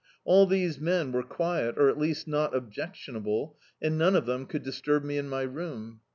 All these men were quiet or at least not objectiwiable, and none of them could disturb me in my room.